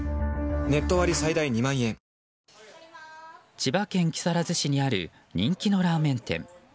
千葉県木更津市にある人気のラーメン店。